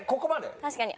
確かに。